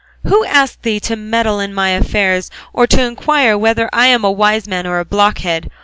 Who asked thee to meddle in my affairs, or to inquire whether I am a wise man or a blockhead?